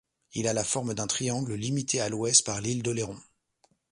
Il a la forme d'un triangle limité à l'ouest par l'île d'Oléron.